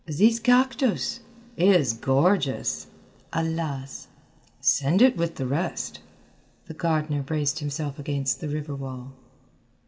"This cactus " "Is gorgeous!" "Alas " "Send it with the rest." The gardener braced himself against the river wall.